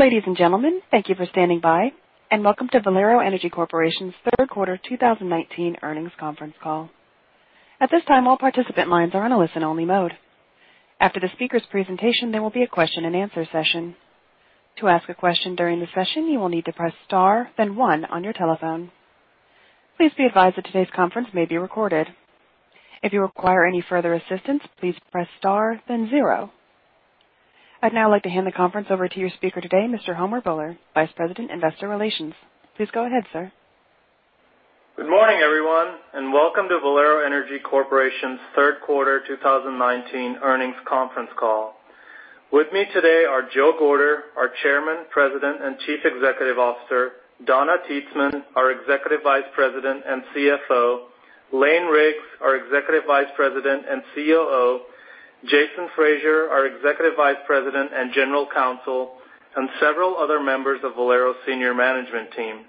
Ladies and gentlemen, thank you for standing by and welcome to Valero Energy Corporation's third quarter 2019 earnings conference call. At this time, all participant lines are in a listen-only mode. After the speaker's presentation, there will be a question and answer session. To ask a question during the session, you will need to press star then one on your telephone. Please be advised that today's conference may be recorded. If you require any further assistance, please press star then zero. I'd now like to hand the conference over to your speaker today, Mr. Homer Bhullar, Vice President, Investor Relations. Please go ahead, sir. Good morning, everyone, welcome to Valero Energy Corporation's third quarter 2019 earnings conference call. With me today are Joe Gorder, our Chairman, President, and Chief Executive Officer, Donna Titzman, our Executive Vice President and CFO, Lane Riggs, our Executive Vice President and COO, Jason Fraser, our Executive Vice President and General Counsel, and several other members of Valero's senior management team.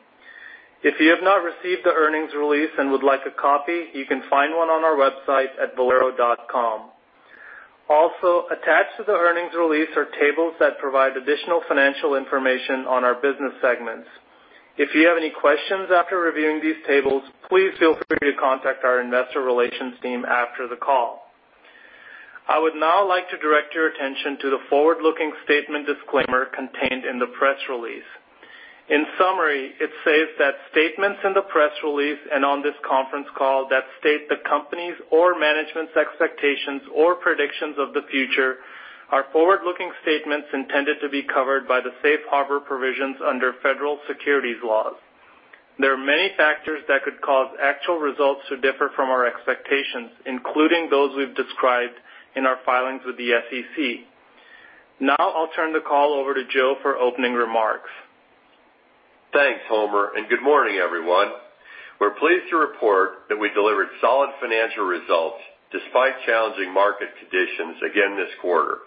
If you have not received the earnings release and would like a copy, you can find one on our website at valero.com. Attached to the earnings release are tables that provide additional financial information on our business segments. If you have any questions after reviewing these tables, please feel free to contact our investor relations team after the call. I would now like to direct your attention to the forward-looking statement disclaimer contained in the press release. In summary, it says that statements in the press release and on this conference call that state the company's or management's expectations or predictions of the future are forward-looking statements intended to be covered by the safe harbor provisions under federal securities laws. There are many factors that could cause actual results to differ from our expectations, including those we've described in our filings with the SEC. Now I'll turn the call over to Joe for opening remarks. Thanks, Homer. Good morning, everyone. We're pleased to report that we delivered solid financial results despite challenging market conditions again this quarter.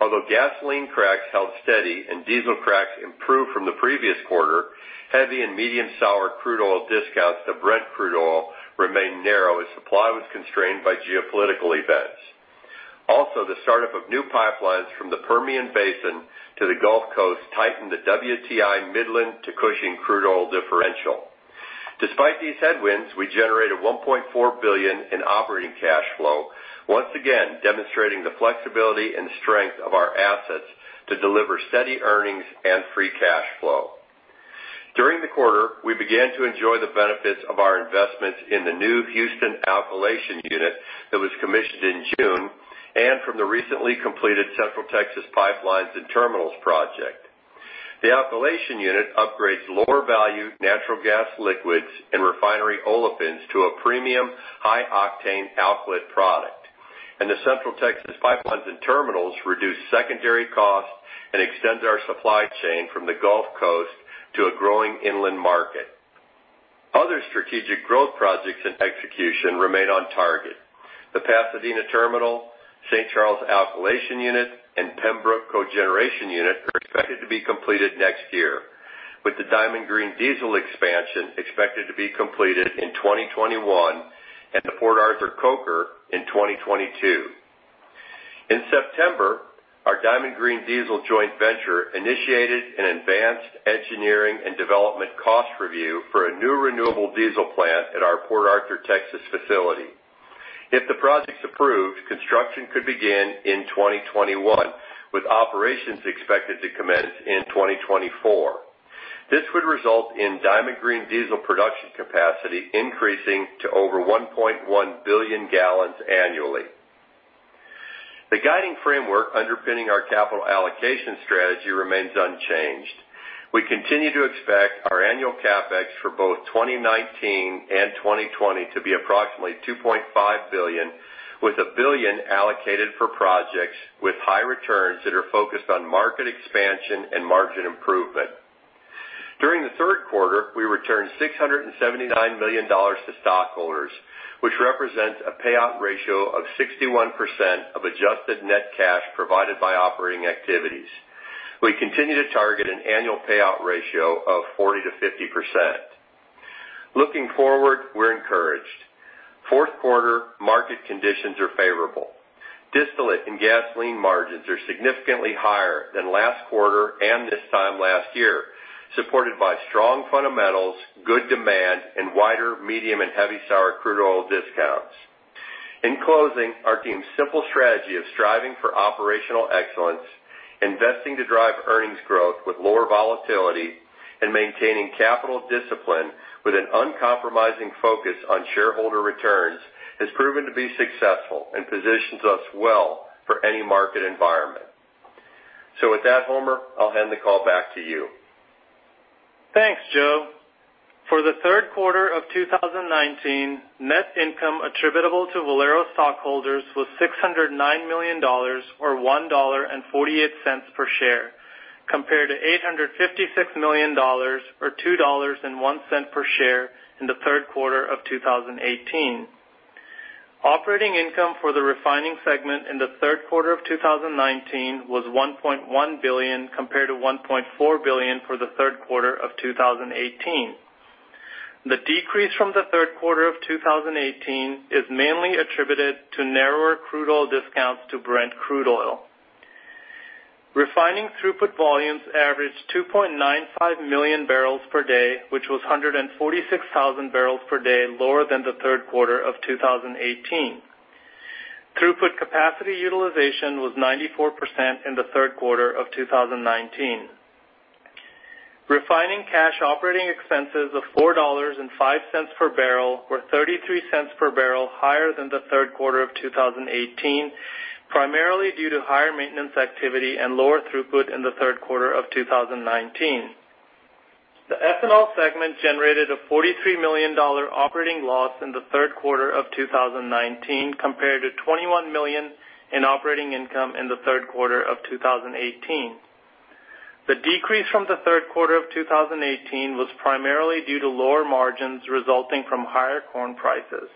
Although gasoline cracks held steady and diesel cracks improved from the previous quarter, heavy and medium sour crude oil discounts to Brent crude oil remained narrow as supply was constrained by geopolitical events. The startup of new pipelines from the Permian Basin to the Gulf Coast tightened the WTI Midland to Cushing crude oil differential. Despite these headwinds, we generated $1.4 billion in operating cash flow, once again demonstrating the flexibility and strength of our assets to deliver steady earnings and free cash flow. During the quarter, we began to enjoy the benefits of our investments in the new Houston alkylation unit that was commissioned in June and from the recently completed Central Texas Pipelines and Terminals project. The alkylation unit upgrades lower-value natural gas liquids and refinery olefins to a premium high-octane outlet product. The Central Texas Pipelines and Terminals reduce secondary costs and extends our supply chain from the Gulf Coast to a growing inland market. Other strategic growth projects in execution remain on target. The Pasadena Terminal, St. Charles Alkylation Unit, and Pembroke Cogeneration Unit are expected to be completed next year, with the Diamond Green Diesel expansion expected to be completed in 2021 and the Port Arthur Coker in 2022. In September, our Diamond Green Diesel joint venture initiated an advanced engineering and development cost review for a new renewable diesel plant at our Port Arthur, Texas facility. If the project's approved, construction could begin in 2021, with operations expected to commence in 2024. This would result in Diamond Green Diesel production capacity increasing to over 1.1 billion gallons annually. The guiding framework underpinning our capital allocation strategy remains unchanged. We continue to expect our annual CapEx for both 2019 and 2020 to be approximately $2.5 billion, with $1 billion allocated for projects with high returns that are focused on market expansion and margin improvement. During the third quarter, we returned $679 million to stockholders, which represents a payout ratio of 61% of adjusted net cash provided by operating activities. We continue to target an annual payout ratio of 40%-50%. Looking forward, we're encouraged. Fourth quarter market conditions are favorable. Distillate and gasoline margins are significantly higher than last quarter and this time last year, supported by strong fundamentals, good demand, and wider medium and heavy sour crude oil discounts. In closing, our team's simple strategy of striving for operational excellence, investing to drive earnings growth with lower volatility, and maintaining capital discipline with an uncompromising focus on shareholder returns has proven to be successful and positions us well for any market environment. With that, Homer, I'll hand the call back to you. Thanks, Joe. For the third quarter of 2019, net income attributable to Valero stockholders was $609 million or $1.48 per share, compared to $856 million or $2.01 per share in the third quarter of 2018. Operating income for the refining segment in the third quarter of 2019 was $1.1 billion, compared to $1.4 billion for the third quarter of 2018. The decrease from the third quarter of 2018 is mainly attributed to narrower crude oil discounts to Brent crude oil. Refining throughput volumes averaged 2.95 million barrels per day, which was 146,000 barrels per day lower than the third quarter of 2018. Throughput capacity utilization was 94% in the third quarter of 2019. Refining cash operating expenses of $4.05 per barrel were $0.33 per barrel higher than the third quarter of 2018, primarily due to higher maintenance activity and lower throughput in the third quarter of 2019. The ethanol segment generated a $43 million operating loss in the third quarter of 2019, compared to $21 million in operating income in the third quarter of 2018. The decrease from the third quarter of 2018 was primarily due to lower margins resulting from higher corn prices.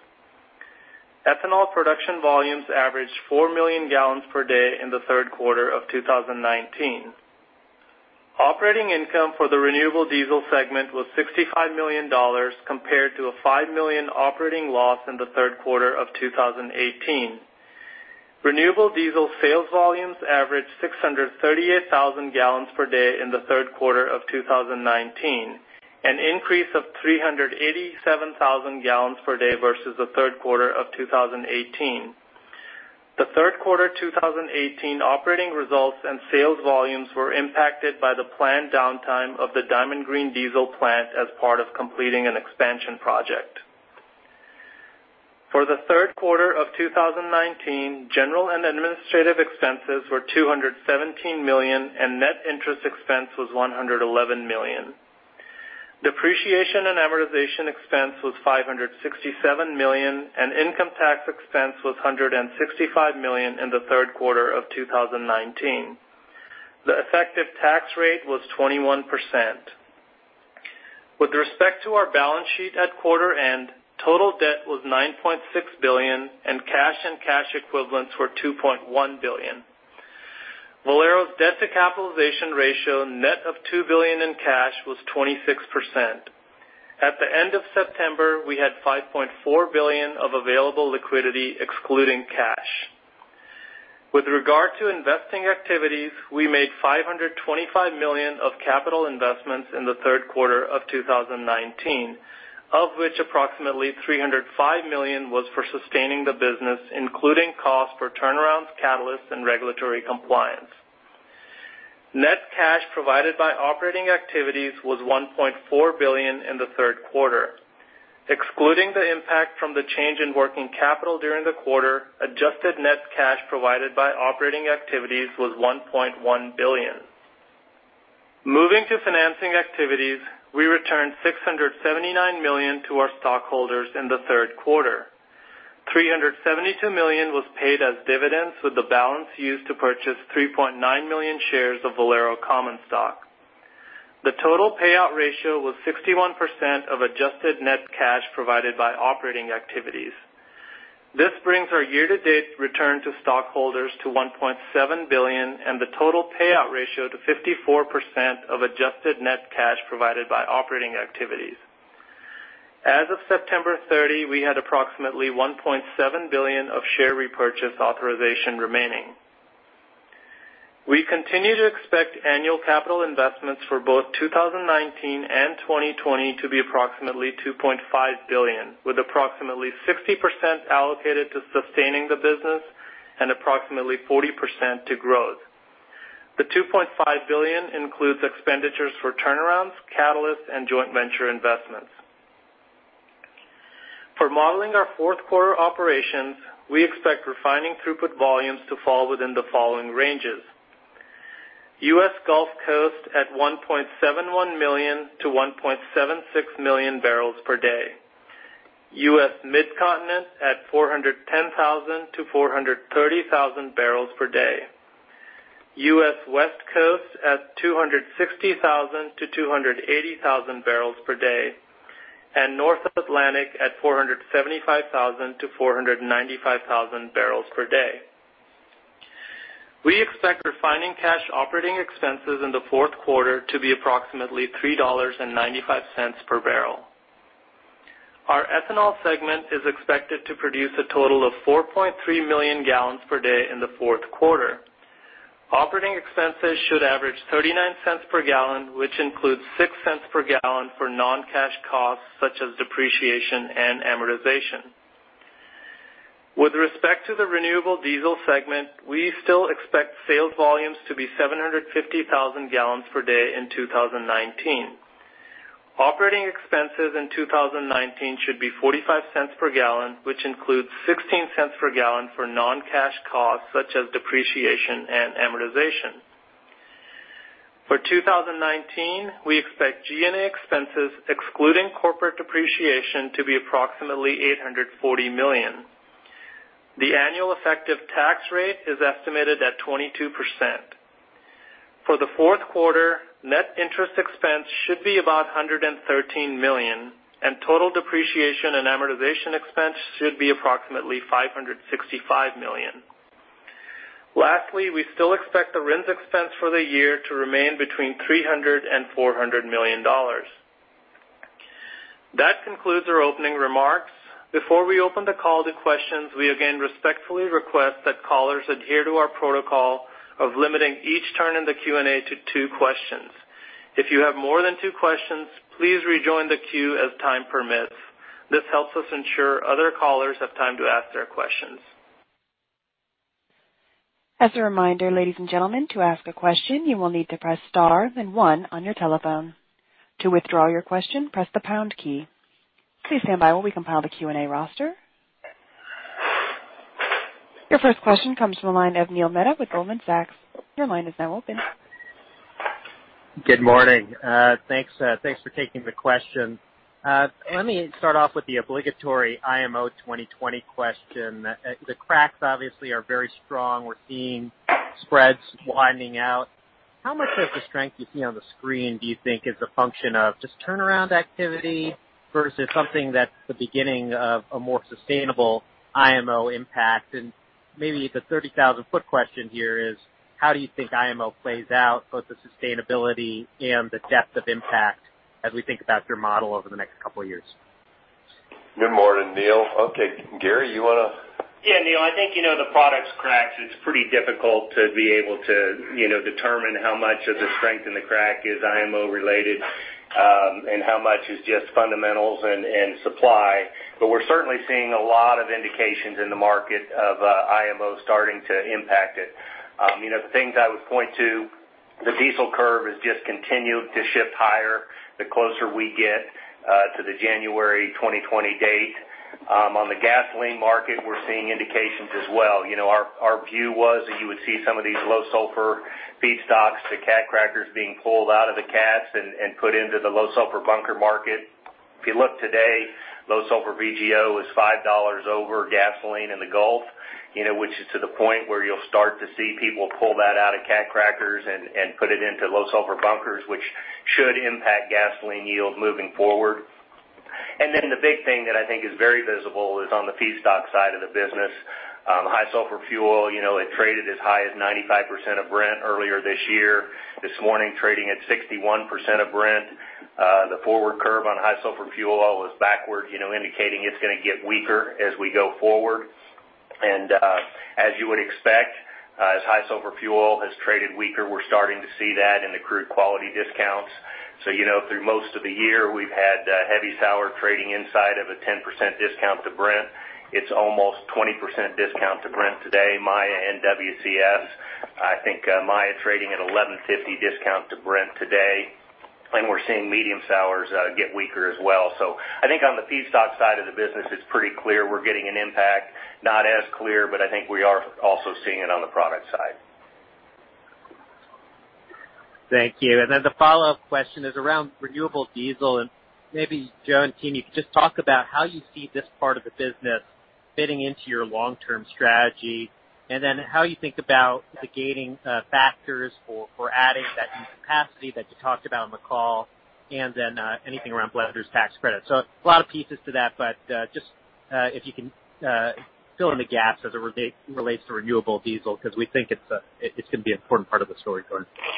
Ethanol production volumes averaged 4 million gallons per day in the third quarter of 2019. Operating income for the renewable diesel segment was $65 million compared to a $5 million operating loss in the third quarter of 2018. Renewable diesel sales volumes averaged 638,000 gallons per day in the third quarter of 2019, an increase of 387,000 gallons per day versus the third quarter of 2018. The third quarter 2018 operating results and sales volumes were impacted by the planned downtime of the Diamond Green Diesel plant as part of completing an expansion project. For the third quarter of 2019, general and administrative expenses were $217 million, and net interest expense was $111 million. Depreciation and amortization expense was $567 million, and income tax expense was $165 million in the third quarter of 2019. The effective tax rate was 21%. With respect to our balance sheet at quarter-end, total debt was $9.6 billion, and cash and cash equivalents were $2.1 billion. Valero's debt-to-capitalization ratio net of $2 billion in cash was 26%. At the end of September, we had $5.4 billion of available liquidity excluding cash. With regard to investing activities, we made $525 million of capital investments in the third quarter of 2019, of which approximately $305 million was for sustaining the business, including costs for turnarounds, catalysts, and regulatory compliance. Net cash provided by operating activities was $1.4 billion in the third quarter. Excluding the impact from the change in working capital during the quarter, adjusted net cash provided by operating activities was $1.1 billion. Moving to financing activities, we returned $679 million to our stockholders in the third quarter. $372 million was paid as dividends, with the balance used to purchase 3.9 million shares of Valero common stock. The total payout ratio was 61% of adjusted net cash provided by operating activities. This brings our year-to-date return to stockholders to $1.7 billion and the total payout ratio to 54% of adjusted net cash provided by operating activities. As of September 30, we had approximately $1.7 billion of share repurchase authorization remaining. We continue to expect annual capital investments for both 2019 and 2020 to be approximately $2.5 billion, with approximately 60% allocated to sustaining the business and approximately 40% to growth. The $2.5 billion includes expenditures for turnarounds, catalysts, and joint venture investments. For modeling our fourth-quarter operations, we expect refining throughput volumes to fall within the following ranges: U.S. Gulf Coast at 1.71 million-1.76 million barrels per day, U.S. Midcontinent at 410,000-430,000 barrels per day, U.S. West Coast at 260,000-280,000 barrels per day, and North Atlantic at 475,000-495,000 barrels per day. We expect refining cash operating expenses in the fourth quarter to be approximately $3.95 per barrel. Our ethanol segment is expected to produce a total of 4.3 million gallons per day in the fourth quarter. Operating expenses should average $0.39 per gallon, which includes $0.06 per gallon for non-cash costs such as depreciation and amortization. With respect to the renewable diesel segment, we still expect sales volumes to be 750,000 gallons per day in 2019. Operating expenses in 2019 should be $0.45 per gallon, which includes $0.16 per gallon for non-cash costs such as depreciation and amortization. For 2019, we expect G&A expenses excluding corporate depreciation to be approximately $840 million. The annual effective tax rate is estimated at 22%. For the fourth quarter, net interest expense should be about $113 million. Total depreciation and amortization expense should be approximately $565 million. Lastly, we still expect the RINs expense for the year to remain between $300 million and $400 million. That concludes our opening remarks. Before we open the call to questions, we again respectfully request that callers adhere to our protocol of limiting each turn in the Q&A to two questions. If you have more than two questions, please rejoin the queue as time permits. This helps us ensure other callers have time to ask their questions. As a reminder, ladies and gentlemen, to ask a question, you will need to press star then one on your telephone. To withdraw your question, press the pound key. Please stand by while we compile the Q&A roster. Your first question comes from the line of Neil Mehta with Goldman Sachs. Your line is now open. Good morning. Thanks for taking the question. Let me start off with the obligatory IMO 2020 question. The cracks obviously are very strong. We're seeing spreads widening out. How much of the strength you see on the screen do you think is a function of just turnaround activity versus something that's the beginning of a more sustainable IMO impact? Maybe the 30,000-foot question here is how do you think IMO plays out, both the sustainability and the depth of impact as we think about your model over the next couple of years? Good morning, Neil. Okay, Gary, you want to? Yeah, Neil, I think, the products cracks, it's pretty difficult to be able to determine how much of the strength in the crack is IMO related, how much is just fundamentals and supply. We're certainly seeing a lot of indications in the market of IMO starting to impact it. The things I would point to, the diesel curve has just continued to shift higher the closer we get to the January 2020 date. On the gasoline market, we're seeing indications as well. Our view was that you would see some of these low sulfur feedstocks, the cat crackers being pulled out of the cats and put into the low sulfur bunker market. If you look today, low sulfur VGO is $5 over gasoline in the Gulf, which is to the point where you'll start to see people pull that out of cat crackers and put it into low sulfur bunkers, which should impact gasoline yield moving forward. The big thing that I think is very visible is on the feedstock side of the business. High sulfur fuel, it traded as high as 95% of Brent earlier this year. This morning, trading at 61% of Brent. The forward curve on high sulfur fuel oil is backward, indicating it's going to get weaker as we go forward. As you would expect, as high sulfur fuel has traded weaker, we're starting to see that in the crude quality discounts. Through most of the year, we've had heavy sour trading inside of a 10% discount to Brent. It's almost 20% discount to Brent today, Maya and WCS. I think Maya trading at $11.50 discount to Brent today. We're seeing medium sours get weaker as well. I think on the feedstock side of the business, it's pretty clear we're getting an impact, not as clear, but I think we are also seeing it on the product side. Thank you. Then the follow-up question is around renewable diesel. Maybe, Joe and team, you could just talk about how you see this part of the business fitting into your long-term strategy, and then how you think about the gating factors for adding that new capacity that you talked about on the call, and then anything around blenders tax credit. A lot of pieces to that, but just if you can fill in the gaps as it relates to renewable diesel, because we think it's going to be an important part of the story going forward.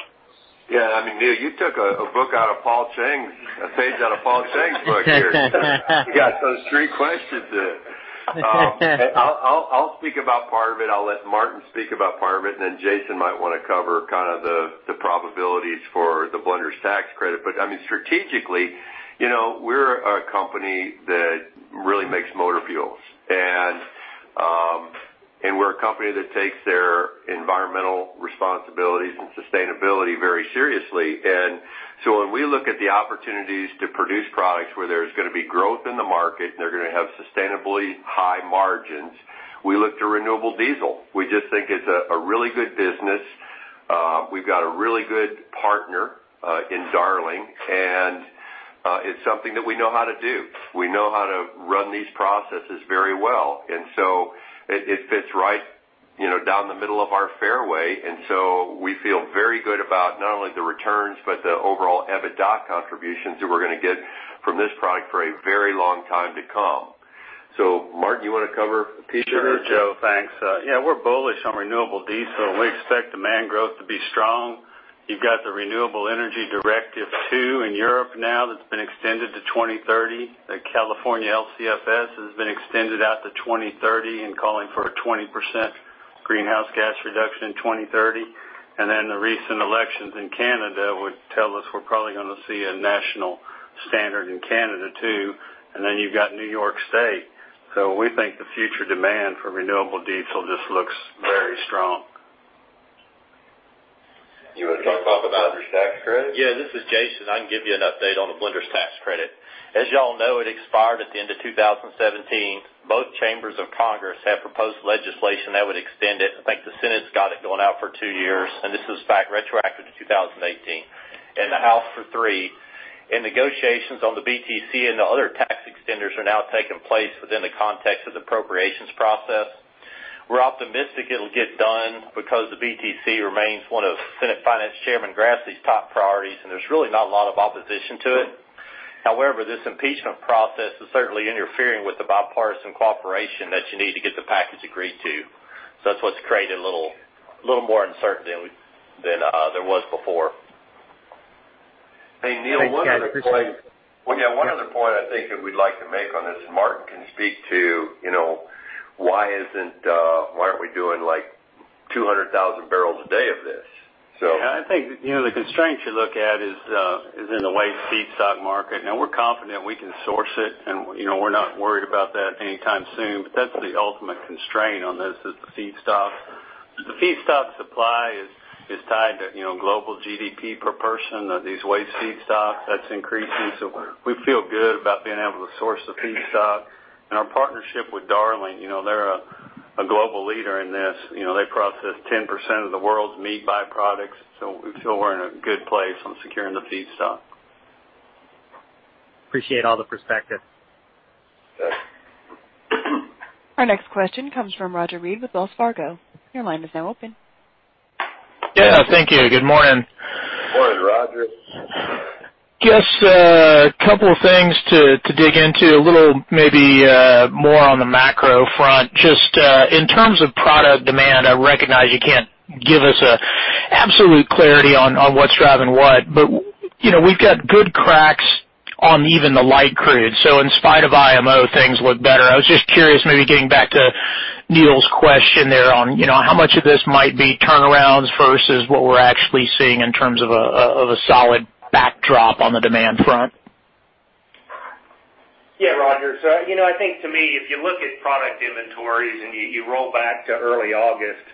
Neil, you took a book out of Paul Cheng, a page out of Paul Cheng's book here. You got those three questions in. I'll speak about part of it. I'll let Martin speak about part of it, and then Jason might want to cover kind of the probabilities for the blenders tax credit. Strategically, we're a company that really makes motor fuels, and we're a company that takes their environmental responsibilities and sustainability very seriously. When we look at the opportunities to produce products where there's going to be growth in the market, and they're going to have sustainably high margins, we look to renewable diesel. We just think it's a really good business. We've got a really good partner in Darling, and it's something that we know how to do. We know how to run these processes very well, and so it fits right down the middle of our fairway, and so we feel very good about not only the returns, but the overall EBITDA contributions that we're going to get from this product for a very long time to come. Martin, you want to cover P? Sure, Joe. Thanks. We're bullish on renewable diesel, we expect demand growth to be strong. You've got the Renewable Energy Directive II in Europe now that's been extended to 2030. The California LCFS has been extended out to 2030 and calling for a 20% greenhouse gas reduction in 2030. The recent elections in Canada would tell us we're probably going to see a national standard in Canada, too. You've got New York State. We think the future demand for renewable diesel just looks very strong. You want to talk about the blenders tax credit? Yeah, this is Jason. I can give you an update on the blenders tax credit. As you all know, it expired at the end of 2017. Both chambers of Congress have proposed legislation that would extend it. I think the Senate's got it going out for two years, and this is back retroactive to 2018, and the House for three. Negotiations on the BTC and the other tax extenders are now taking place within the context of the appropriations process. We're optimistic it'll get done because the BTC remains one of Senate Finance Chairman Grassley's top priorities, and there's really not a lot of opposition to it. However, this impeachment process is certainly interfering with the bipartisan cooperation that you need to get the package agreed to. That's what's created a little more uncertainty than there was before. Hey, Neil, one other point. Thanks for your candor, appreciate it. One other point I think that we'd like to make on this, and Martin can speak to why aren't we doing like 200,000 barrels a day of this? Yeah, I think the constraint you look at is in the waste feedstock market. Now we're confident we can source it, and we're not worried about that anytime soon, but that's the ultimate constraint on this is the feedstock. The feedstock supply is tied to global GDP per person, these waste feedstocks, that's increasing. We feel good about being able to source the feedstock. Our partnership with Darling, they're a global leader in this. They process 10% of the world's meat byproducts, we feel we're in a good place on securing the feedstock. Appreciate all the perspective. Yes. Our next question comes from Roger Read with Wells Fargo. Your line is now open. Yeah, thank you. Good morning. Morning, Roger. Just a couple of things to dig into, a little maybe more on the macro front. Just in terms of product demand, I recognize you can't give us absolute clarity on what's driving what, but we've got good cracks on even the light crude. In spite of IMO, things look better. I was just curious, maybe getting back to Neil's question there on how much of this might be turnarounds versus what we're actually seeing in terms of a solid backdrop on the demand front. Yeah, Roger. I think to me, if you look at product inventories and you roll back to early August,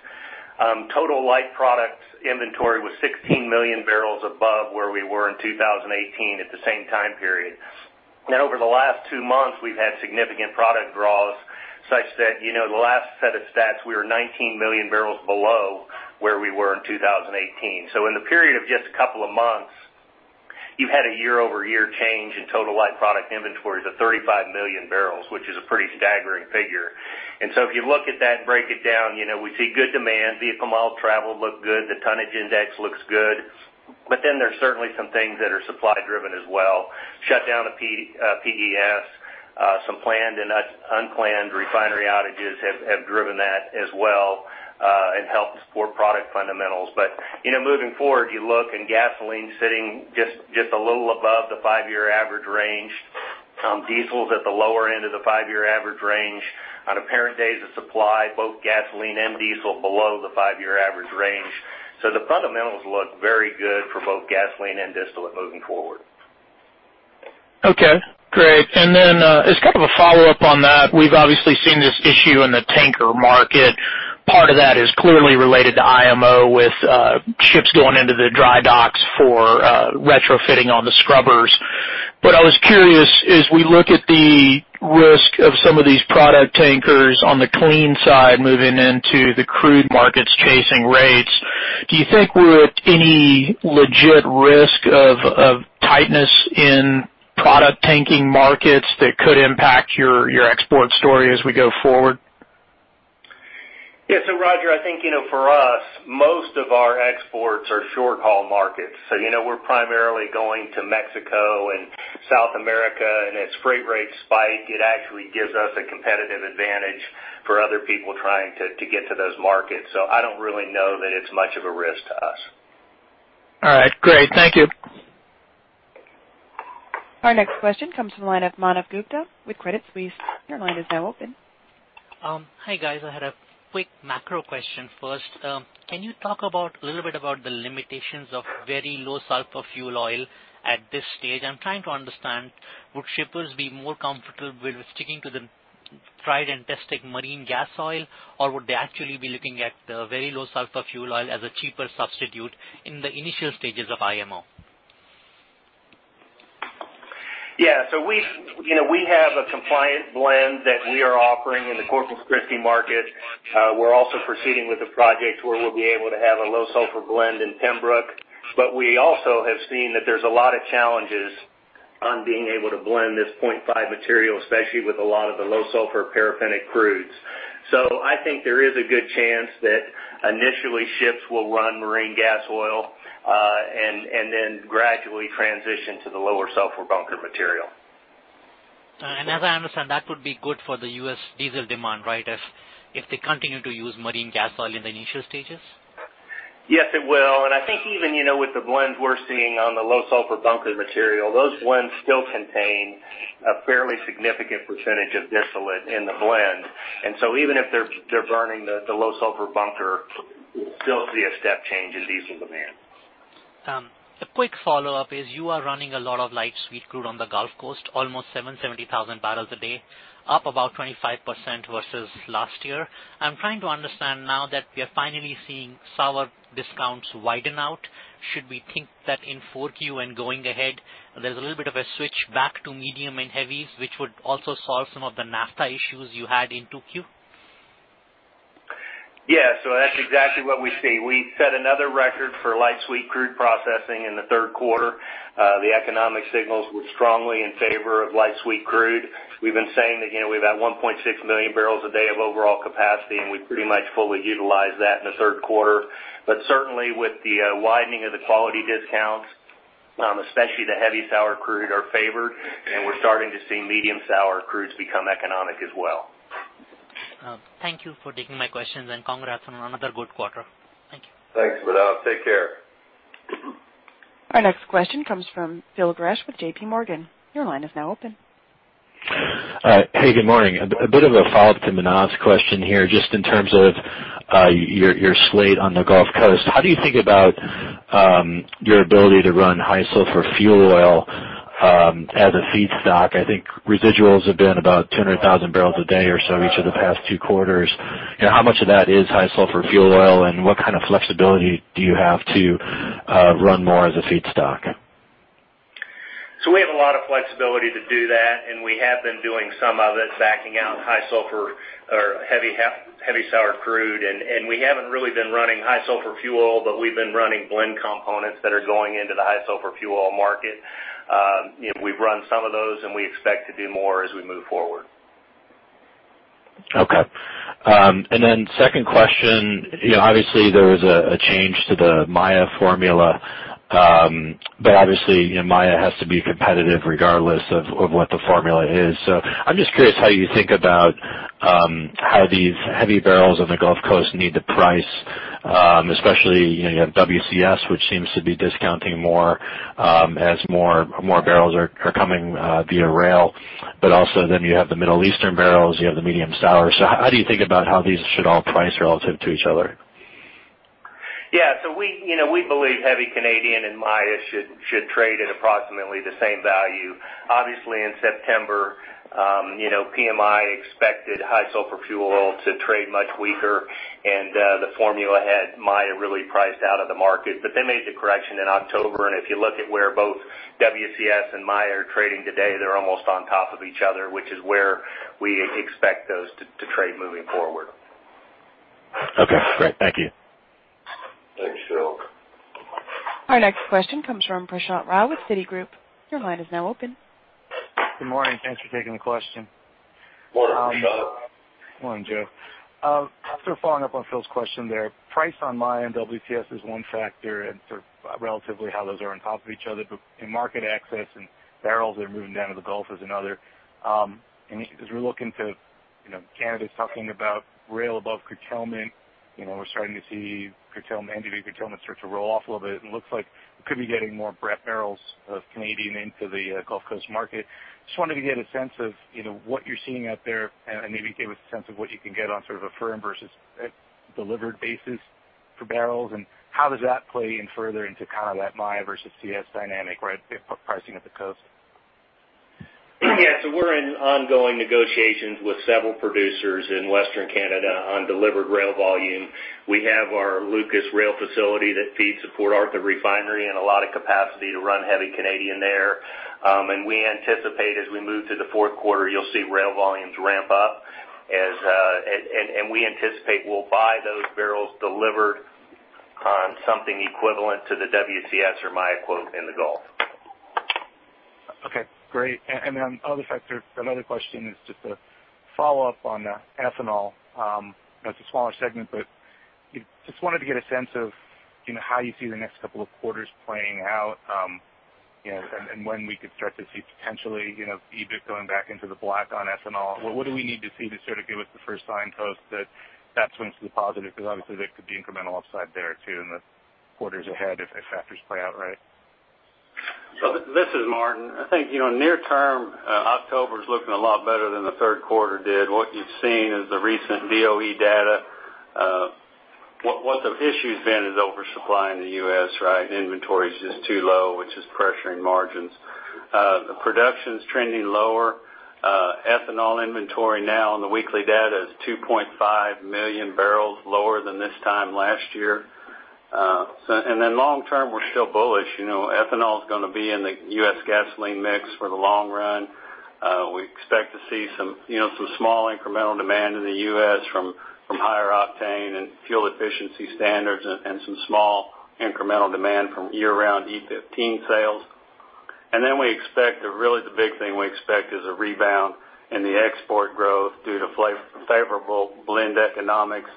total light products inventory was 16 million barrels above where we were in 2018 at the same time period. Over the last two months, we've had significant product draws such that the last set of stats, we were 19 million barrels below where we were in 2018. In the period of just a couple of months, you've had a year-over-year change in total light product inventories of 35 million barrels, which is a pretty staggering figure. If you look at that and break it down, we see good demand. Vehicle miles traveled look good. The tonnage index looks good. There's certainly some things that are supply-driven as well. Shutdown of PES, some planned and unplanned refinery outages have driven that as well and helped support product fundamentals. moving forward, you look and gasoline sitting just a little above the 5-year average range. Diesel is at the lower end of the 5-year average range. On apparent days of supply, both gasoline and diesel below the 5-year average range. the fundamentals look very good for both gasoline and distillate moving forward. Okay, great. As kind of a follow-up on that, we've obviously seen this issue in the tanker market. Part of that is clearly related to IMO with ships going into the dry docks for retrofitting all the scrubbers. I was curious, as we look at the risk of some of these product tankers on the clean side moving into the crude markets chasing rates, do you think we're at any legit risk of tightness in product tanker markets that could impact your export story as we go forward? Roger, I think for us, most of our exports are short-haul markets. We're primarily going to Mexico and South America, and as freight rates spike, it actually gives us a competitive advantage for other people trying to get to those markets. I don't really know that it's much of a risk to us. All right. Great. Thank you. Our next question comes from the line of Manav Gupta with Credit Suisse. Your line is now open. Hi, guys. I had a quick macro question first. Can you talk a little bit about the limitations of very low sulfur fuel oil at this stage? I'm trying to understand, would shippers be more comfortable with sticking to the tried and tested marine gas oil, or would they actually be looking at the very low sulfur fuel oil as a cheaper substitute in the initial stages of IMO? Yeah. We have a compliant blend that we are offering in the Corpus Christi market. We're also proceeding with the project where we'll be able to have a low sulfur blend in Pembroke. We also have seen that there's a lot of challenges on being able to blend this 0.5 material, especially with a lot of the low sulfur paraffinic crudes. I think there is a good chance that initially ships will run marine gas oil, and then gradually transition to the lower sulfur bunker material. As I understand, that would be good for the U.S. diesel demand, right, if they continue to use marine gas oil in the initial stages? Yes, it will. I think even with the blends we're seeing on the low sulfur bunker material, those blends still contain a fairly significant percentage of distillate in the blend. So even if they're burning the low sulfur bunker, we'll still see a step change in diesel demand. A quick follow-up is you are running a lot of light sweet crude on the Gulf Coast, almost 770,000 barrels a day, up about 25% versus last year. I'm trying to understand now that we are finally seeing sour discounts widen out. Should we think that in 4Q and going ahead, there's a little bit of a switch back to medium and heavies, which would also solve some of the naphtha issues you had in 2Q? Yeah. That's exactly what we see. We set another record for light sweet crude processing in the third quarter. The economic signals were strongly in favor of light sweet crude. We've been saying that we've got 1.6 million barrels a day of overall capacity, and we pretty much fully utilized that in the third quarter. Certainly with the widening of the quality discounts, especially the heavy sour crude are favored, and we're starting to see medium sour crudes become economic as well. Thank you for taking my questions, and congrats on another good quarter. Thank you. Thanks, Manav. Take care. Our next question comes from Phil Gresh with JPMorgan. Your line is now open. Hey, good morning. A bit of a follow-up to Manav's question here, just in terms of your slate on the Gulf Coast. How do you think about your ability to run high sulfur fuel oil as a feedstock? I think residuals have been about 200,000 barrels a day or so each of the past two quarters. How much of that is high sulfur fuel oil, and what kind of flexibility do you have to run more as a feedstock? We have a lot of flexibility to do that, and we have been doing some of it, backing out heavy sour crude. We haven't really been running high sulfur fuel, but we've been running blend components that are going into the high sulfur fuel oil market. We've run some of those, and we expect to do more as we move forward. Okay. Second question, obviously, there was a change to the Maya formula. Obviously, Maya has to be competitive regardless of what the formula is. I'm just curious how you think about how these heavy barrels on the Gulf Coast need to price. Especially, you have WCS, which seems to be discounting more as more barrels are coming via rail. Also, you have the Middle Eastern barrels, you have the medium sour. How do you think about how these should all price relative to each other? Yeah. We believe heavy Canadian and Maya should trade at approximately the same value. Obviously, in September, PMI expected high sulfur fuel oil to trade much weaker, and the formula had Maya really priced out of the market. They made the correction in October, and if you look at where both WCS and Maya are trading today, they're almost on top of each other, which is where we expect those to trade moving forward. Okay, great. Thank you. Thanks, Phil. Our next question comes from Prashant Rao with Citigroup. Your line is now open. Good morning. Thanks for taking the question. Morning, Prashant. Morning, Joe. Following up on Phil's question there, price on Maya and WCS is one factor and sort of relatively how those are on top of each other, but market access and barrels that are moving down to the Gulf is another. Canada's talking about rail above curtailment. We're starting to see curtailment, NGV curtailment start to roll off a little bit, looks like we could be getting more barrels of Canadian into the Gulf Coast market. Just wanted to get a sense of what you're seeing out there and maybe give us a sense of what you can get on sort of a firm versus delivered basis for barrels, how does that play in further into that Maya versus WCS dynamic where pricing at the coast? We're in ongoing negotiations with several producers in Western Canada on delivered rail volume. We have our Lucas rail facility that feeds the Port Arthur refinery and a lot of capacity to run heavy Canadian there. We anticipate as we move to the fourth quarter, you'll see rail volumes ramp up. We anticipate we'll buy those barrels delivered on something equivalent to the WCS or Maya quote in the Gulf. Okay, great. Another question is just a follow-up on ethanol. It's a smaller segment, but just wanted to get a sense of how you see the next couple of quarters playing out. When we could start to see potentially, EBIT going back into the black on ethanol. What do we need to see to sort of give us the first signpost that swings to the positive? Obviously there could be incremental upside there too in the quarters ahead if factors play out right. This is Martin. I think, near term, October's looking a lot better than the third quarter did. What you've seen is the recent DOE data. What the issue's been is oversupply in the U.S., right? Inventory's just too low, which is pressuring margins. The production's trending lower. Ethanol inventory now on the weekly data is 2.5 million barrels lower than this time last year. Long term, we're still bullish. Ethanol's gonna be in the U.S. gasoline mix for the long run. We expect to see some small incremental demand in the U.S. from higher octane and fuel efficiency standards and some small incremental demand from year-round E15 sales. Really the big thing we expect is a rebound in the export growth due to favorable blend economics,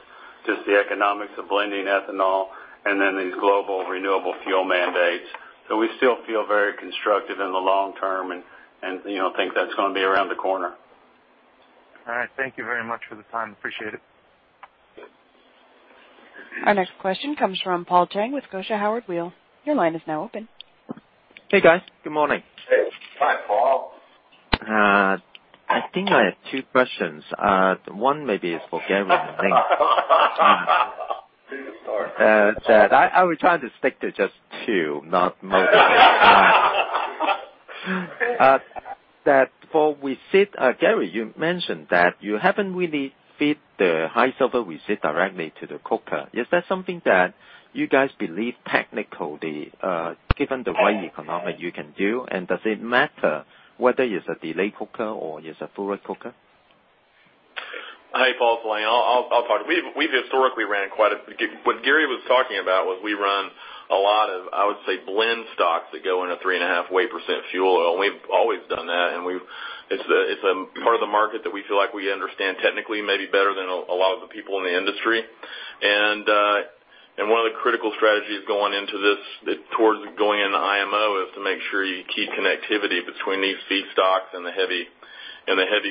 just the economics of blending ethanol and these global renewable fuel mandates. We still feel very constructive in the long term and think that's gonna be around the corner. All right. Thank you very much for the time. Appreciate it. Our next question comes from Paul Cheng with Scotiabank Howard Weil. Your line is now open. Hey, guys. Good morning. Hey. Hi, Paul. I think I have two questions. One maybe is for Gary. Sorry. I will try to stick to just two, not more. Gary, you mentioned that you haven't really fed the high sulfur resid directly to the coker. Is that something that you guys believe technically, given the right economics you can do, and does it matter whether it's a delayed coker or it's a fluid coker? Hi, Paul Cheng. I'll talk. What Gary was talking about was we run a lot of, I would say, blend stocks that go in a 3.5 weight % fuel oil, and we've always done that, and it's a part of the market that we feel like we understand technically maybe better than a lot of the people in the industry. One of the critical strategies going into this, towards going into IMO, is to make sure you keep connectivity between these feedstocks and the heavy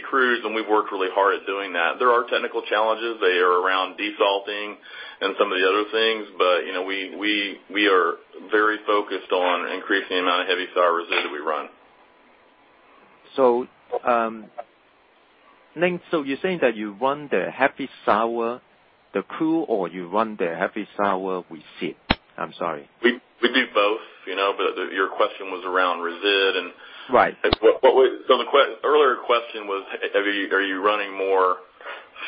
crude. We've worked really hard at doing that. There are technical challenges. They are around desalting and some of the other things, but we are very focused on increasing the amount of heavy sour resid that we run. Lane, so you're saying that you run the heavy sour, the crude, or you run the heavy sour with SIP? I'm sorry. We do both. Your question was around resid. Right The earlier question was, are you running more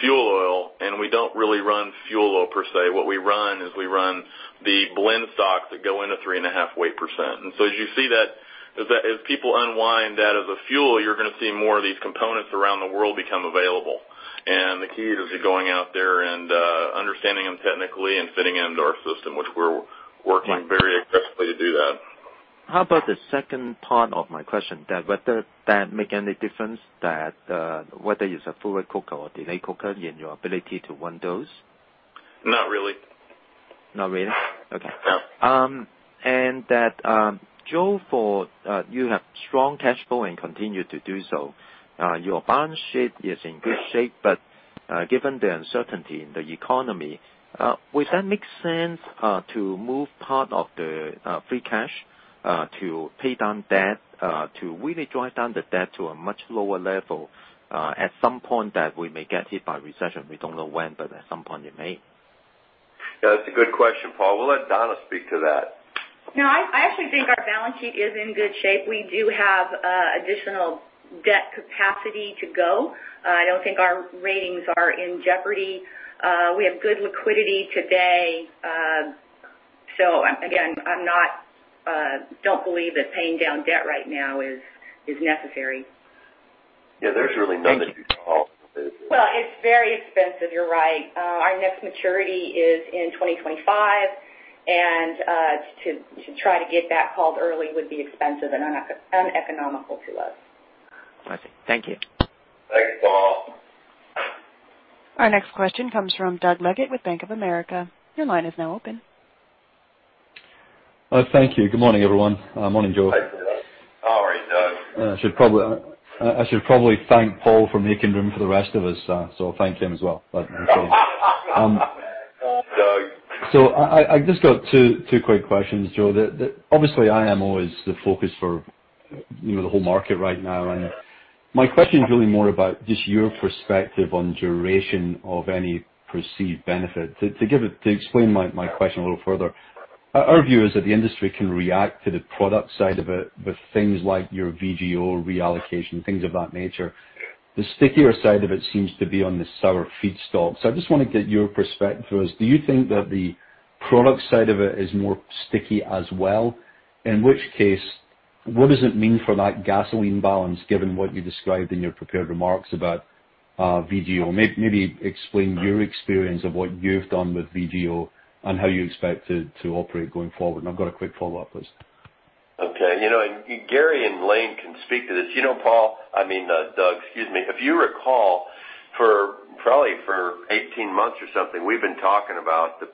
fuel oil? We don't really run fuel oil per se. What we run is we run the blend stocks that go into 3.5 weight %. As you see that, as people unwind that as a fuel, you're going to see more of these components around the world become available. The key is going out there and understanding them technically and fitting them into our system, which we're working very aggressively to do that. How about the second part of my question, that whether that make any difference that, whether it's a fluid coker or delayed coker in your ability to run those? Not really. Not really? Okay. No. That, Joe, you have strong cash flow and continue to do so. Your balance sheet is in good shape, but given the uncertainty in the economy, would that make sense to move part of the free cash to pay down debt to really drive down the debt to a much lower level at some point that we may get hit by recession? We don't know when, but at some point it may. Yeah, that's a good question, Paul. We'll let Donna speak to that. I actually think our balance sheet is in good shape. We do have additional debt capacity to go. I don't think our ratings are in jeopardy. We have good liquidity today. Again, I don't believe that paying down debt right now is necessary. Yeah, there's really nothing to call. It's very expensive, you're right. Our next maturity is in 2025. To try to get that called early would be expensive and uneconomical to us. I see. Thank you. Thanks, Paul. Our next question comes from Doug Leggate with Bank of America. Your line is now open. Thank you. Good morning, everyone. Morning, Joe. How are you, Doug? I should probably thank Paul for making room for the rest of us, so I'll thank him as well. Doug. I just got two quick questions, Joe. Obviously, IMO is the focus for the whole market right now. My question is really more about just your perspective on duration of any perceived benefit. To explain my question a little further, our view is that the industry can react to the product side of it with things like your VGO reallocation, things of that nature. Yeah. The stickier side of it seems to be on the sour feedstock. I just want to get your perspective for us. Do you think that the product side of it is more sticky as well? In which case, what does it mean for that gasoline balance, given what you described in your prepared remarks about VGO? Maybe explain your experience of what you've done with VGO and how you expect to operate going forward. I've got a quick follow-up, please. Okay. Gary and Lane can speak to this. Paul, I mean, Doug, excuse me. If you recall, probably for 18 months or something, we've been talking about the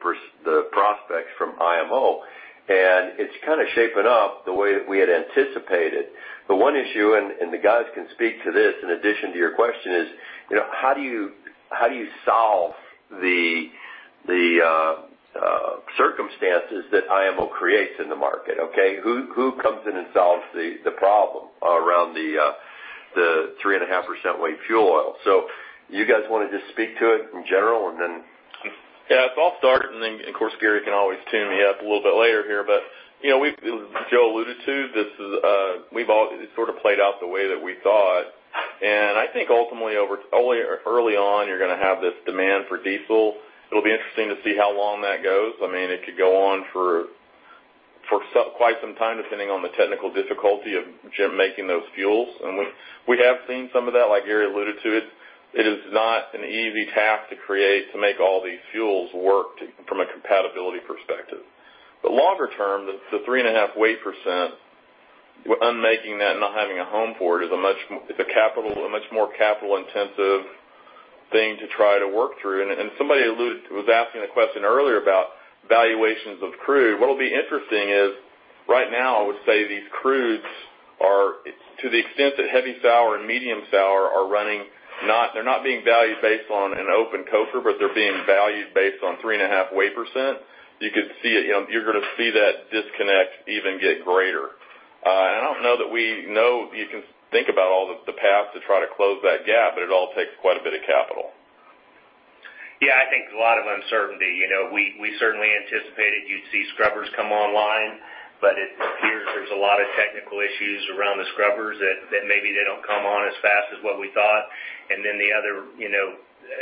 prospects from IMO, and it's shaping up the way that we had anticipated. The one issue, and the guys can speak to this, in addition to your question, is how do you solve the circumstances that IMO creates in the market, okay? Who comes in and solves the problem around the 3.5% weight fuel oil? You guys want to just speak to it in general, and then Yeah. I'll start, and then, of course, Gary can always tune me up a little bit later here. As Joe alluded to, this has sort of played out the way that we thought. I think ultimately, early on, you're going to have this demand for diesel. It'll be interesting to see how long that goes. It could go on for quite some time, depending on the technical difficulty of making those fuels. We have seen some of that, like Gary alluded to it. It is not an easy task to create, to make all these fuels work from a compatibility perspective. Longer term, the 3.5 weight %, unmaking that and not having a home for it is a much more capital-intensive thing to try to work through. Somebody was asking the question earlier about valuations of crude. What'll be interesting is right now, I would say these crudes are to the extent that heavy sour and medium sour are running, they're not being valued based on an open coaster, but they're being valued based on 3.5 weight %. You're going to see that disconnect even get greater. I don't know that we know you can think about all the paths to try to close that gap, but it all takes quite a bit of capital. Yeah, I think there's a lot of uncertainty. We certainly anticipated you'd see scrubbers come online, but it appears there's a lot of technical issues around the scrubbers that maybe they don't come on as fast as what we thought. The other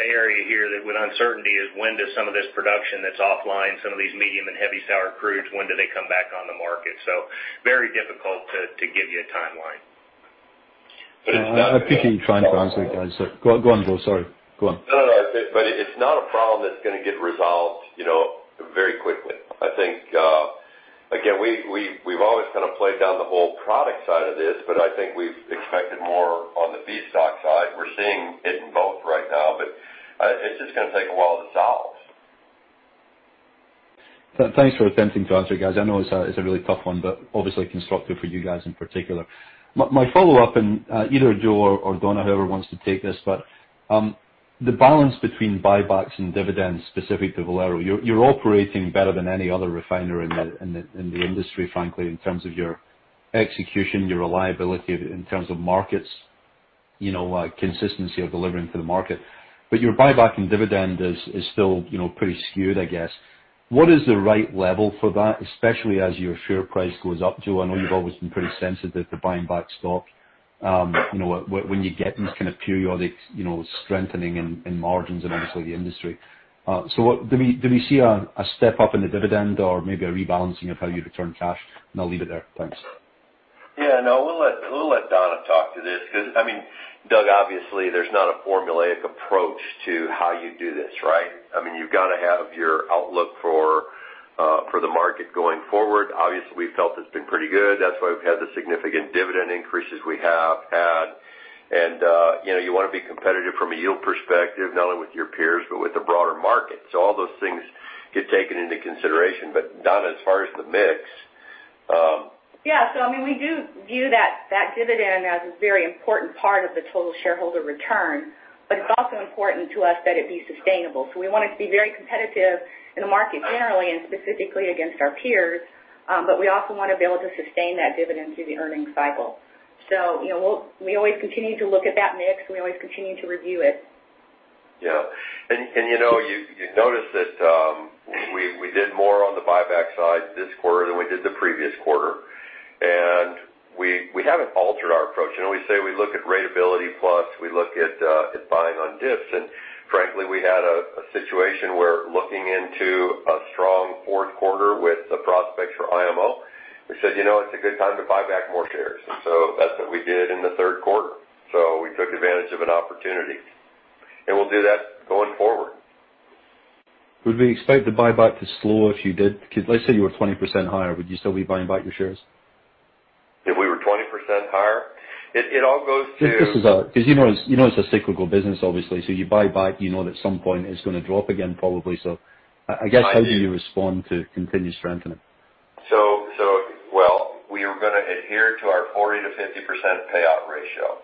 area here with uncertainty is when does some of this production that's offline, some of these medium and heavy sour crudes, when do they come back on the market? Very difficult to give you a timeline. I think you're trying to answer it, guys. Go on, Joe. Sorry. Go on. No, no. It's not a problem that's gonna get resolved very quickly. I think again, we've always kind of played down the whole product side of this. I think we've expected more on the VGO side. We're seeing it in both right now. It's just going to take a while to solve. Thanks for attempting to answer, guys. I know it's a really tough one, but obviously constructive for you guys in particular. My follow-up, either Joe or Donna, whoever wants to take this, the balance between buybacks and dividends specific to Valero, you're operating better than any other refiner in the industry, frankly, in terms of your execution, your reliability in terms of markets, consistency of delivering to the market. Your buyback and dividend is still pretty skewed, I guess. What is the right level for that, especially as your share price goes up, Joe? I know you've always been pretty sensitive to buying back stock. When you get these kind of periodic strengthening in margins and obviously the industry, do we see a step-up in the dividend or maybe a rebalancing of how you return cash? I'll leave it there. Thanks. Yeah, no, we'll let Donna talk to this because, Doug, obviously there's not a formulaic approach to how you do this, right? You've got to have your outlook for the market going forward. Obviously, we felt it's been pretty good. That's why we've had the significant dividend increases we have had. You want to be competitive from a yield perspective, not only with your peers but with the broader market. All those things get taken into consideration. Donna, as far as the mix. Yeah. We do view that dividend as a very important part of the total shareholder return. It's also important to us that it be sustainable. We want to be very competitive in the market generally and specifically against our peers. We also want to be able to sustain that dividend through the earnings cycle. We always continue to look at that mix, and we always continue to review it. Yeah. You notice that we did more on the buyback side this quarter than we did the previous quarter, and we haven't altered our approach. We say we look at ratability plus, we look at buying on dips, and frankly, we had a situation where looking into a strong fourth quarter with the prospects for IMO. We said, it's a good time to buy back more shares. That's what we did in the third quarter. We took advantage of an opportunity, and we'll do that going forward. Would we expect the buyback to slow, let's say you were 20% higher, would you still be buying back your shares? If we were 20% higher? It all goes to. You know it's a cyclical business, obviously. You buy back, you know at some point it's going to drop again, probably. I do. How do you respond to continued strengthening? Well, we are going to adhere to our 40%-50% payout ratio.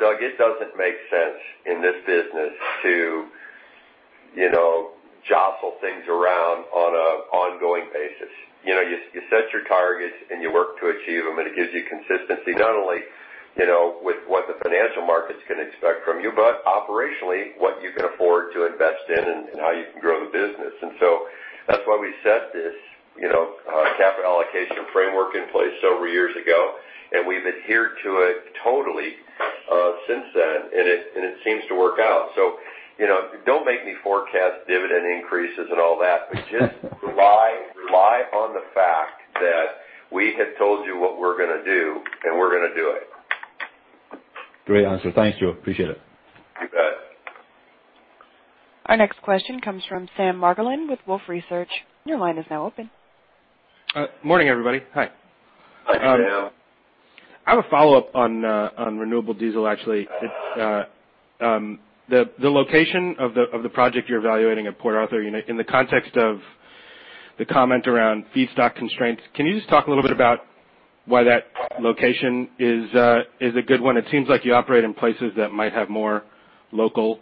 Doug, it doesn't make sense in this business to jostle things around on an ongoing basis. You set your targets, and you work to achieve them, and it gives you consistency, not only with what the financial markets can expect from you, but operationally, what you can afford to invest in and how you can grow the business. That's why we set this capital allocation framework in place several years ago, and we've adhered to it totally since then, and it seems to work out. Don't make me forecast dividend increases and all that, but just rely on the fact that we have told you what we're going to do, and we're going to do it. Great answer. Thanks, Joe. Appreciate it. You bet. Our next question comes from Sam Margolin with Wolfe Research. Your line is now open. Morning, everybody. Hi. Hi, Sam. I have a follow-up on renewable diesel, actually. The location of the project you're evaluating at Port Arthur, in the context of the comment around feedstock constraints, can you just talk a little bit about why that location is a good one? It seems like you operate in places that might have more local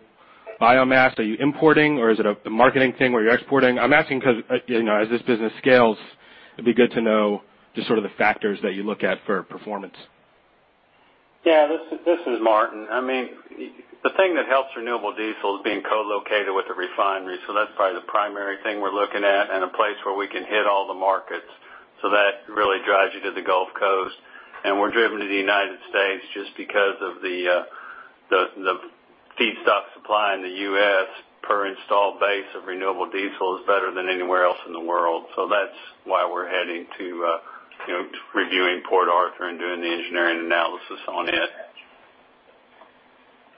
biomass. Are you importing, or is it a marketing thing where you're exporting? I'm asking because, as this business scales, it'd be good to know just sort of the factors that you look at for performance. Yeah, this is Martin. The thing that helps renewable diesel is being co-located with the refinery. That's probably the primary thing we're looking at and a place where we can hit all the markets. That really drives you to the Gulf Coast. We're driven to the United States just because of the feedstock supply in the U.S. per installed base of renewable diesel is better than anywhere else in the world. That's why we're heading to reviewing Port Arthur and doing the engineering analysis on it.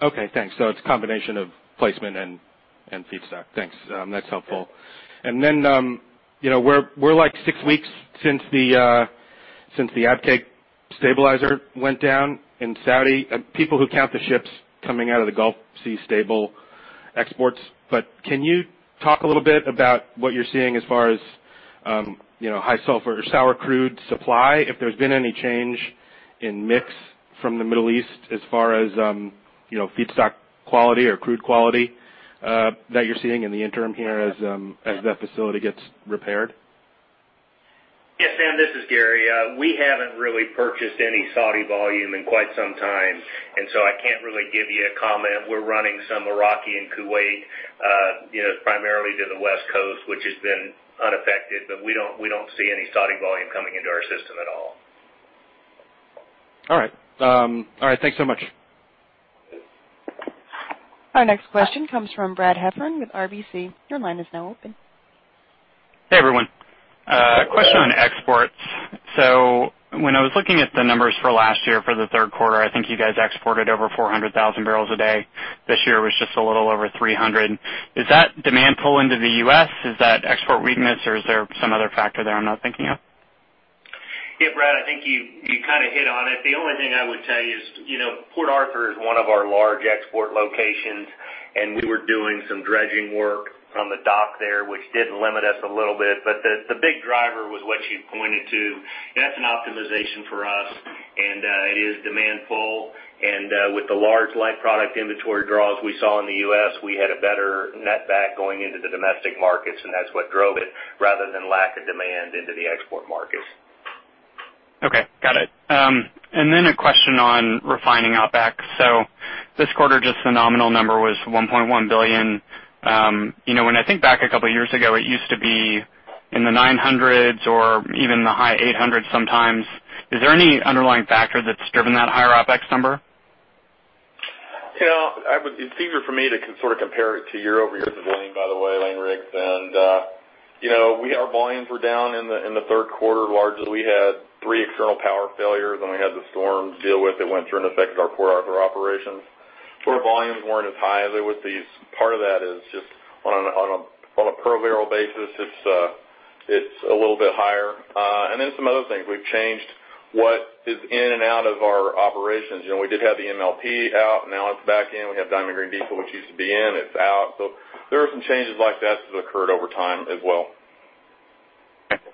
Okay, thanks. It's a combination of placement and feedstock. Thanks. That's helpful. We're like six weeks since the Abqaiq stabilizer went down in Saudi, and people who count the ships coming out of the Gulf see stable exports. Can you talk a little bit about what you're seeing as far as high sulfur or sour crude supply, if there's been any change in mix from the Middle East as far as feedstock quality or crude quality that you're seeing in the interim here as that facility gets repaired? Yeah, Sam, this is Gary. We haven't really purchased any Saudi volume in quite some time, and so I can't really give you a comment. We're running some Iraqi and Kuwait primarily to the West Coast, which has been unaffected. We don't see any Saudi volume coming into our system at all. All right. Thanks so much. Our next question comes from Brad Heffern with RBC. Your line is now open. Hey, everyone. Question on When I was looking at the numbers for last year for the third quarter, I think you guys exported over 400,000 barrels a day. This year was just a little over 300. Is that demand pull into the U.S., is that export weakness, or is there some other factor that I'm not thinking of? Yeah, Brad, I think you hit on it. The only thing I would tell you is Port Arthur is one of our large export locations, and we were doing some dredging work on the dock there, which did limit us a little bit. The big driver was what you pointed to. That's an optimization for us, and it is demand pull. With the large light product inventory draws we saw in the U.S., we had a better netback going into the domestic markets, and that's what drove it, rather than lack of demand into the export markets. Okay. Got it. A question on refining OpEx. This quarter, just the nominal number was $1.1 billion. When I think back a couple of years ago, it used to be in the 900s or even the high 800s sometimes. Is there any underlying factor that's driven that higher OpEx number? It's easier for me to sort of compare it to year-over-year to volume, by the way, Lane Riggs. Our volumes were down in the third quarter. Largely, we had three external power failures, then we had the storm to deal with. It went through and affected our Port Arthur operations. Our volumes weren't as high as they would be. Part of that is just on a per barrel basis, it's a little bit higher. We've changed what is in and out of our operations. We did have the MLP out, now it's back in. We have Diamond Green Diesel, which used to be in, it's out. There are some changes like that that occurred over time as well.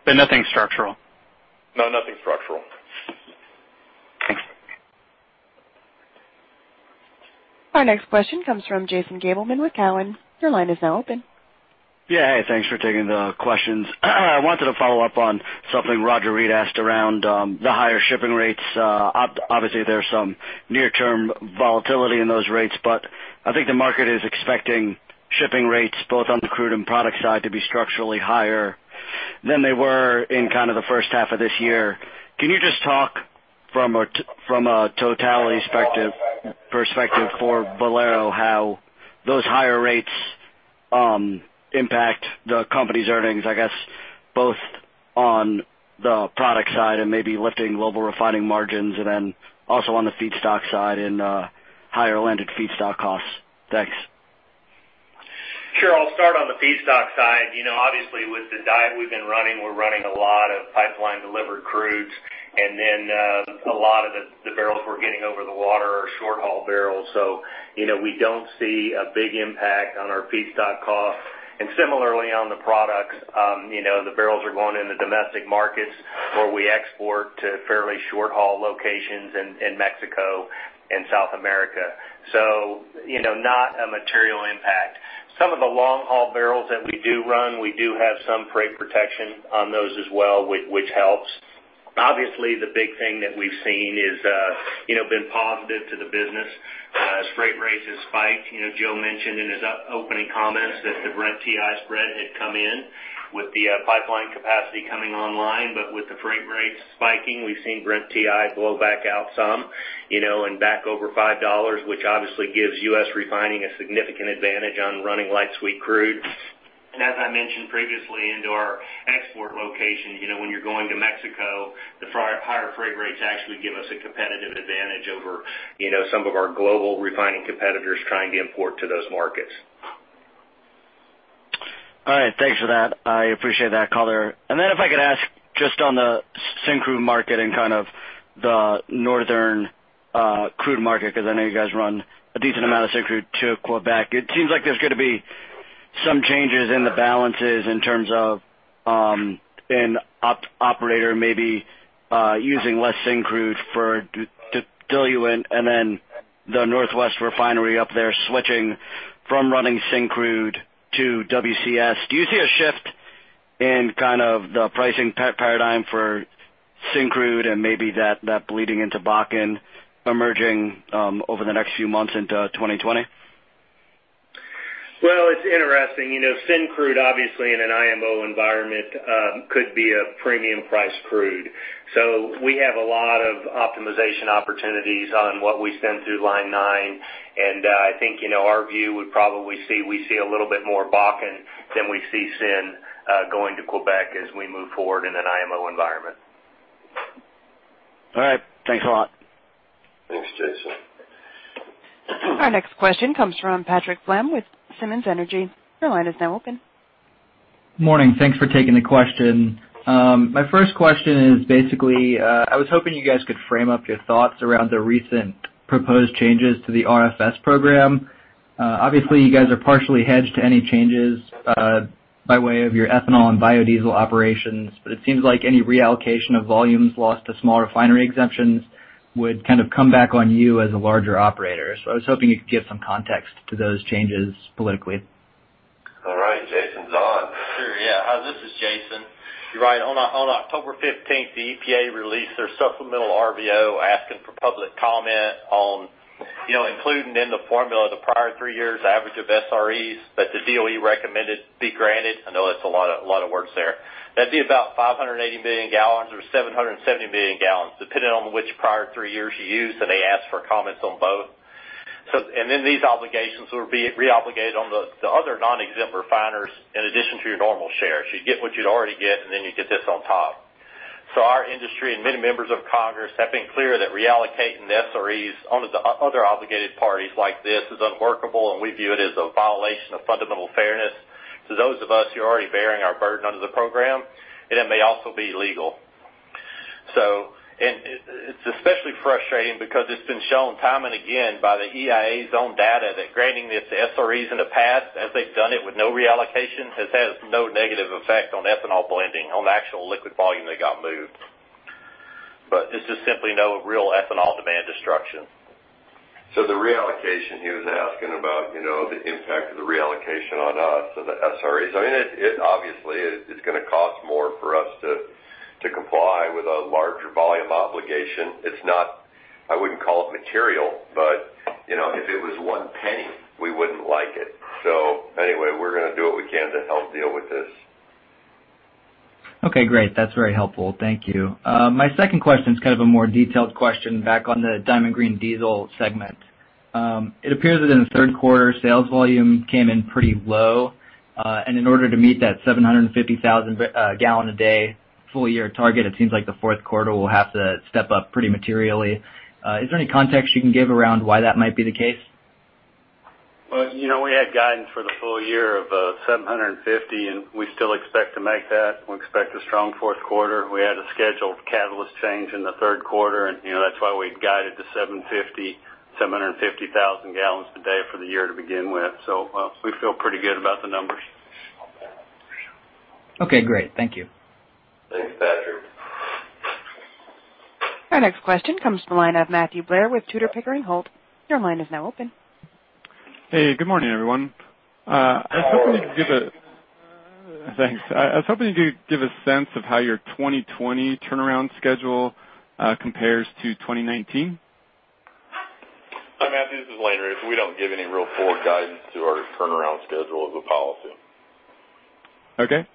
Nothing structural? No, nothing structural. Thanks. Our next question comes from Jason Gabelman with Cowen. Your line is now open. Yeah. Hey, thanks for taking the questions. I wanted to follow up on something Roger Read asked around the higher shipping rates. Obviously, there's some near-term volatility in those rates, I think the market is expecting shipping rates both on the crude and product side to be structurally higher than they were in the first half of this year. Can you just talk from a totality perspective for Valero how those higher rates impact the company's earnings, I guess, both on the product side and maybe lifting global refining margins, and then also on the feedstock side in higher landed feedstock costs? Thanks. Sure. I'll start on the feedstock side. With the diet we've been running, we're running a lot of pipeline-delivered crudes, and then a lot of the barrels we're getting over the water are short-haul barrels. We don't see a big impact on our feedstock cost. Similarly, on the products, the barrels are going in the domestic markets or we export to fairly short-haul locations in Mexico and South America. Not a material impact. Some of the long-haul barrels that we do run, we do have some freight protection on those as well, which helps. The big thing that we've seen has been positive to the business as freight rates have spiked. Joe mentioned in his opening comments that the Brent-WTI spread had come in with the pipeline capacity coming online. With the freight rates spiking, we've seen Brent-WTI blow back out some, and back over $5, which obviously gives U.S. refining a significant advantage on running light sweet crudes. As I mentioned previously into our export location, when you're going to Mexico, the higher freight rates actually give us a competitive advantage over some of our global refining competitors trying to import to those markets. All right. Thanks for that. I appreciate that color. If I could ask just on the syn crude market and the northern crude market, because I know you guys run a decent amount of syn crude to Quebec. It seems like there's going to be some changes in the balances in terms of an operator maybe using less syn crude for diluent, and then the Northwest refinery up there switching from running syn crude to WCS. Do you see a shift in the pricing paradigm for syn crude and maybe that bleeding into Bakken emerging over the next few months into 2020? Well, it's interesting. Syn crude, obviously, in an IMO environment could be a premium price crude. We have a lot of optimization opportunities on what we send through Line 9. I think our view would probably see we see a little bit more Bakken than we see syn going to Quebec as we move forward in an IMO environment. All right. Thanks a lot. Thanks, Jason. Our next question comes from Patrick Flam with Simmons Energy. Your line is now open. Morning. Thanks for taking the question. My first question is basically, I was hoping you guys could frame up your thoughts around the recent proposed changes to the RFS program. Obviously, you guys are partially hedged to any changes by way of your ethanol and biodiesel operations, but it seems like any reallocation of volumes lost to small refinery exemptions would come back on you as a larger operator. I was hoping you could give some context to those changes politically. All right. Jason's on. Sure, yeah. This is Jason. You're right. On October 15th, the EPA released their supplemental RVO asking for public comment on including in the formula the prior three years average of SREs that the DOE recommended be granted. I know that's a lot of words there. That'd be about 580 million gallons or 770 million gallons, depending on which prior three years you use, they asked for comments on both. These obligations will be re-obligated on the other non-exempt refiners in addition to your normal share. You'd get what you'd already get, and then you'd get this on top. Our industry and many members of Congress have been clear that reallocating the SREs onto the other obligated parties like this is unworkable, and we view it as a violation of fundamental fairness to those of us who are already bearing our burden under the program, and it may also be illegal. It's especially frustrating because it's been shown time and again by the EIA's own data that granting the SREs in the past, as they've done it with no reallocation, has had no negative effect on ethanol blending on the actual liquid volume that got moved. This is simply no real ethanol demand destruction. The reallocation he was asking about, the impact of the reallocation on us and the SREs. It obviously is going to cost more for us to comply with a larger volume obligation. I wouldn't call it material, but if it was $0.01, we wouldn't like it. Anyway, we're going to do what we can to help deal with this. Okay, great. That's very helpful. Thank you. My second question is a more detailed question back on the Diamond Green Diesel segment. It appears that in the third quarter, sales volume came in pretty low. In order to meet that 750,000 gallon a day full year target, it seems like the fourth quarter will have to step up pretty materially. Is there any context you can give around why that might be the case? We had guidance for the full year of 750, and we still expect to make that. We expect a strong fourth quarter. We had a scheduled catalyst change in the third quarter, and that's why we guided the 750,000 gallons a day for the year to begin with. We feel pretty good about the numbers. Okay, great. Thank you. Thanks, Patrick. Our next question comes from the line of Matthew Blair with Tudor, Pickering Holt. Your line is now open. Hey, good morning, everyone. Hello. Thanks. I was hoping you could give a sense of how your 2020 turnaround schedule compares to 2019. Hi, Matthew, this is Lane. We don't give any real forward guidance to our turnaround schedule as a policy. Okay.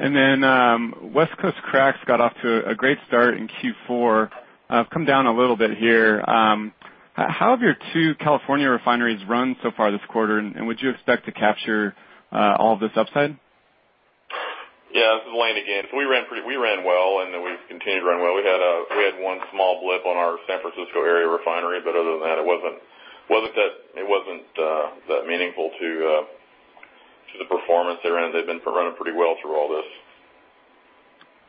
West Coast cracks got off to a great start in Q4, have come down a little bit here. How have your two California refineries run so far this quarter, and would you expect to capture all of this upside? Yeah, this is Lane again. We ran well, and we've continued to run well. We had one small blip on our San Francisco area refinery, but other than that, it wasn't that meaningful to the performance they're in. They've been running pretty well through all this.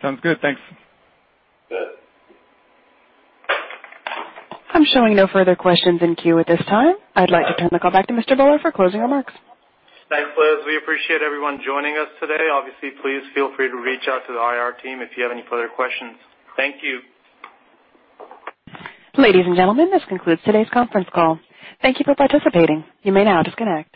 Sounds good. Thanks. You bet. I'm showing no further questions in queue at this time. I'd like to turn the call back to Mr. Bhullar for closing remarks. Thanks, Liz. We appreciate everyone joining us today. Obviously, please feel free to reach out to the IR team if you have any further questions. Thank you. Ladies and gentlemen, this concludes today's conference call. Thank you for participating. You may now disconnect.